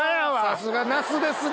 さすが「ナス」ですね。